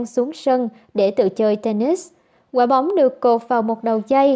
quả bóng được cột vào một đầu dây